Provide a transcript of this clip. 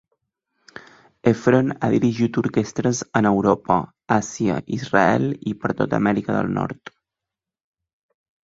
Effron ha dirigit orquestres en Europa, Àsia, Israel i per tota Amèrica del Nord.